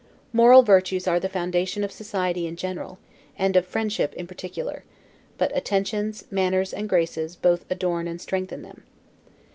Moral virtues are the foundation of society in general, and of friendship in particular; but attentions, manners, and graces, both adorn and strengthen them.